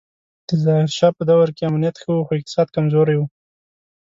د ظاهر شاه په دوره کې امنیت ښه و خو اقتصاد کمزوری و